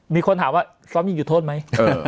มีคนถามว่าซ้อมยิงจุดโทษไหม